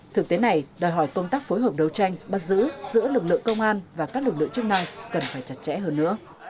thực tế này đòi hỏi công tác phối hợp đấu tranh bắt giữ giữa lực lượng công an và các lực lượng chức năng cần phải chặt chẽ hơn nữa